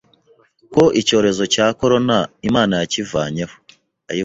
ko icyorezo cya corona Imana yakivanyeho".